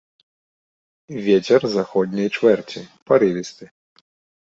Вецер заходняй чвэрці парывісты.